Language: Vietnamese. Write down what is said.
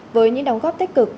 với những đóng góp tích cực